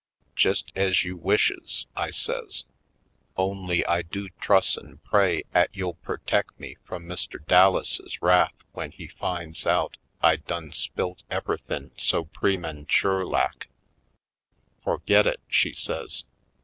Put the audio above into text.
''Jest ez you wishes," I says, "only I do trus' an' pray at you'll pur tec' me frum Mr. Dallases' wrath w'en he finds out I done spilt ever'thin' so preman ture lak." "Forget it!" she says.